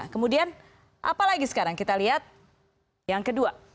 kemudian apa lagi sekarang kita lihat yang kedua